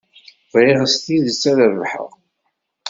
Bɣiɣ s tidet ad rebḥeɣ.